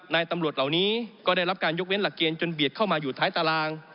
นายตำรวจเหล่านี้ก็ได้รับการยกเว้นหลักเกณฑ์จนเบียดเข้ามาอยู่ท้ายตาราง